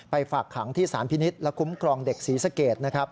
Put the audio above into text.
ไปฝากหังที่สารพินิษฐ์และคุ้มกรองเด็กศรีสเกต